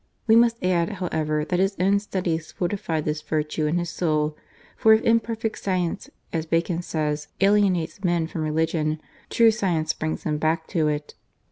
We must add, however, that his own studies fortified this virtue in his soul ; for if imperfect science, as Bacon says, alienates men from religion, true science brings them back to it.